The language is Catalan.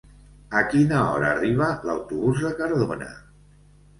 A quina hora arriba l'autobús de Cardona?